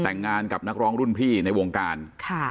แต่งงานกับนักร้องรุ่นพี่ในวงการ